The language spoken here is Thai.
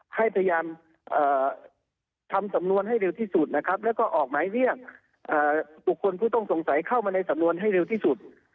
ให้พยายามทำสำนวนให้เร็วที่สุดนะครับแล้วก็ออกหมายเรียกบุคคลผู้ต้องสงสัยเข้ามาในสำนวนให้เร็วที่สุด